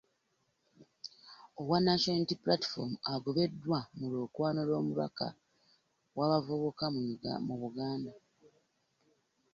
Owa National Unity Platform agobeddwa mu lwokaano lw'omubaka w'abavubuka mu Buganda